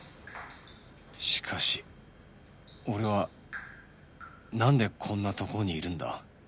しかし俺はなんでこんなとこにいるんだ？